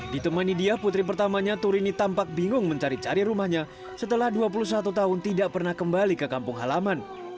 ditemani dia putri pertamanya turini tampak bingung mencari cari rumahnya setelah dua puluh satu tahun tidak pernah kembali ke kampung halaman